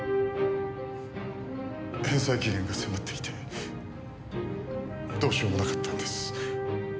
返済期限が迫っていてどうしようもなかったんです。